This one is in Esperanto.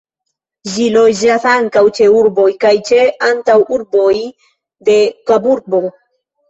Ĝi loĝas ankaŭ ĉe urboj kaj ĉe antaŭurboj de Kaburbo.